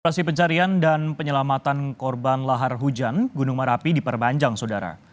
operasi pencarian dan penyelamatan korban lahar hujan gunung merapi diperpanjang saudara